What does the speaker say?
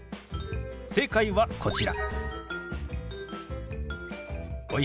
正解はこちら。